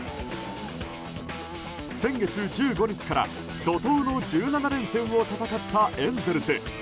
先月１５日から、怒涛の１７連戦を戦ったエンゼルス。